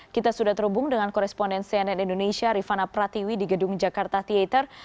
kita sudah terhubung dengan koresponden cnn indonesia rifana pratiwi di gedung jakarta theater